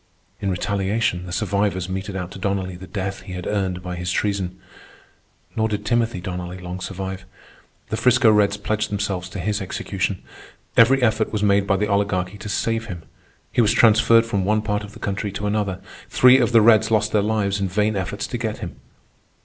In retaliation, the survivors meted out to Donnelly the death he had earned by his treason. Nor did Timothy Donnelly long survive. The 'Frisco Reds pledged themselves to his execution. Every effort was made by the Oligarchy to save him. He was transferred from one part of the country to another. Three of the Reds lost their lives in vain efforts to get him.